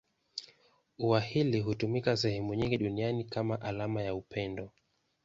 Ua hili hutumika sehemu nyingi duniani kama alama ya upendo.